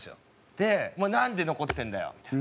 で「お前なんで残ってるんだよ」みたいな。